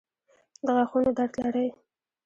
د غاښونو درد لرئ؟